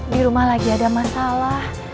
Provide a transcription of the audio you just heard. di rumah lagi ada masalah